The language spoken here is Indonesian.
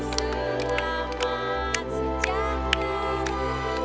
selamat sejak keberanian